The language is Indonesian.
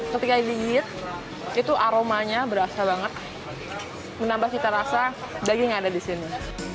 ketika digit itu aromanya berasa banget menambah cita rasa daging yang ada di sini